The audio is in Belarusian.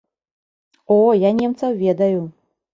О, я немцаў ведаю.